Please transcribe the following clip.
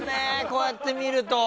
こうやって見ると。